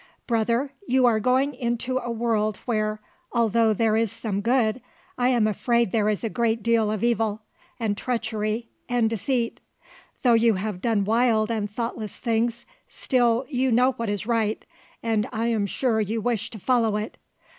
Brother, you are going into a world where, although there is some good, I am afraid there is a great deal of evil, and treachery, and deceit. Though you have done wild and thoughtless things, still you know what is right, and I am sure you wish to follow it.